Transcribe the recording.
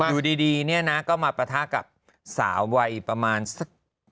อยู่ดีเนี่ยนะก็มาปะทะกับสาววัยประมาณสัก